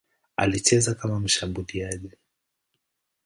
Alicheza kama mshambuliaji.